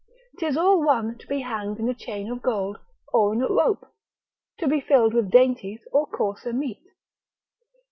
'Tis all one to be hanged in a chain of gold, or in a rope; to be filled with dainties or coarser meat.